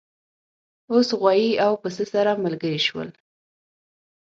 اوښ غوایی او پسه سره ملګري شول.